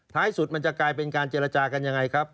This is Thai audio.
สุดมันจะกลายเป็นการเจรจากันยังไงครับ